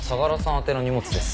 宛ての荷物です。